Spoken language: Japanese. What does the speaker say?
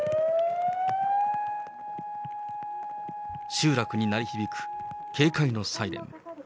集落に鳴り響く、警戒のサイレン。